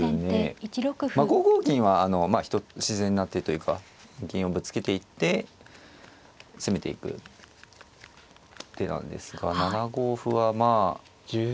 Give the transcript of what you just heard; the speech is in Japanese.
５五銀はまあ自然な手というか銀をぶつけていって攻めていく手なんですが７五歩はまあ